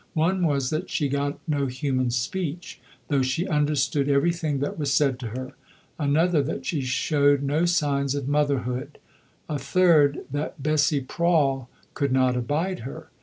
One was that she got no human speech, though she understood everything that was said to her; another that she showed no signs of motherhood; a third that Bessie Prawle could not abide her.